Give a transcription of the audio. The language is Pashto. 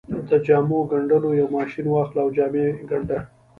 د جامو ګنډلو يو ماشين واخله او جامې ګنډه.